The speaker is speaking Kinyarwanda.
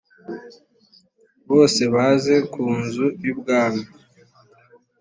bose baze ku nzu y ubwami